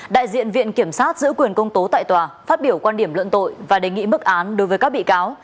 đại diện viện kiểm sát giữ quyền công tố tại tòa phát biểu quan điểm luận tội và đề nghị mức án đối với các bị cáo